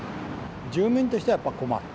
住民としてはやっぱり困る。